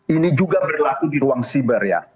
ini juga berlaku di ruang siber ya